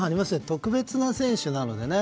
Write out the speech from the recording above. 特別な選手なのでね